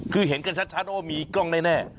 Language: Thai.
คือเห็นกันชัดว่ามีกล้องแน่